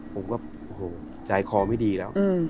ผมก็ใจคอไม่ดีแล้ว